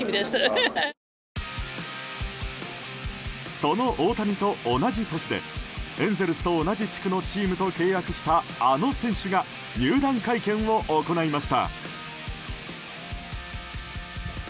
その大谷と同じ年でエンゼルスと同じ地区のチームと契約したあの選手が入団会見を行いました。